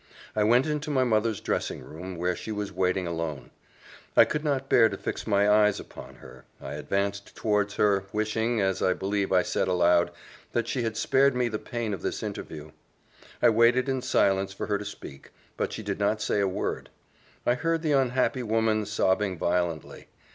I went into my mother's dressing room, where she was waiting alone. I could not bear to fix my eyes upon her; I advanced towards her, wishing, as I believe I said aloud, that she had spared me the pain of this interview. I waited in silence for her to speak, but she did not say a word I heard the unhappy woman sobbing violently.